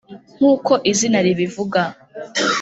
nk’uko izina ribivuga